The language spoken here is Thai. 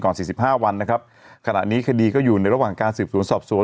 สี่สิบห้าวันนะครับขณะนี้คดีก็อยู่ในระหว่างการสืบสวนสอบสวน